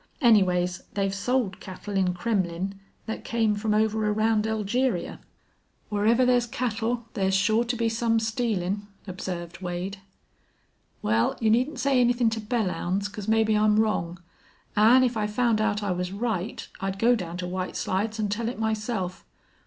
Anyways, they've sold cattle in Kremmlin' thet came from over around Elgeria." "Wherever there's cattle there's sure to be some stealin'," observed Wade. "Wal, you needn't say anythin' to Belllounds, because mebbe I'm wrong. An' if I found out I was right I'd go down to White Slides an' tell it myself.